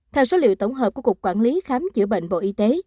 theo số liệu tổng hợp của cục quản lý khám chữa bệnh bộ y tế